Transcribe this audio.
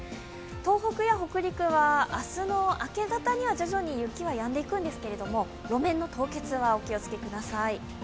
東北や北陸は明日の明け方には徐々に雪はやんでいくんですが路面の凍結は、お気をつけください